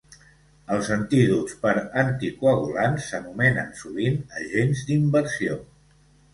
Els antídots per anticoagulants s'anomenen sovint agents d'inversió.